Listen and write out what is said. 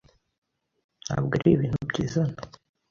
ntabwo ari ibintu byizana.